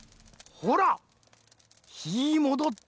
ほらひもどった。